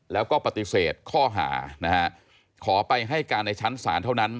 แล้วก็ปฏิเสธข้อหานะฮะขอไปให้การในชั้นศาลเท่านั้น